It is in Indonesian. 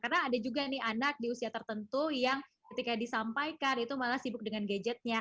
karena ada juga nih anak di usia tertentu yang ketika disampaikan itu malah sibuk dengan gadgetnya